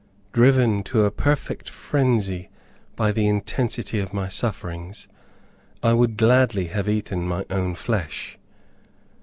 Driven to a perfect frenzy by the intensity of my sufferings, I would gladly have eaten my own flesh.